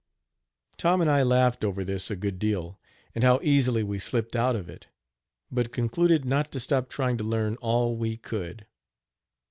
" Tom and I laughed over this a good deal and how easily we slipped out of it, but concluded not to stop trying to learn all we could.